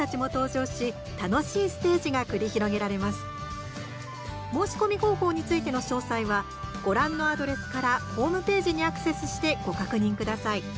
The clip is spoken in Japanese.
申し込み方法についての詳細はご覧のアドレスからホームページにアクセスしてご確認ください。